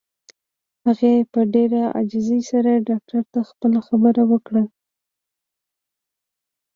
هغې په ډېره عاجزۍ سره ډاکټر ته خپله خبره وکړه.